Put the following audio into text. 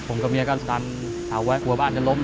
ผมกับเมียก็ดันเอาไว้กลัวบ้านจะล้ม